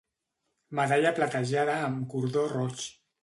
Medalla platejada amb cordó roig.